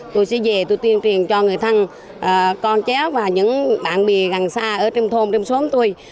tôi sẽ về tuyên truyền cho người thân con chéo và những bạn bì gần xa ở trong thôn trong xóm tôi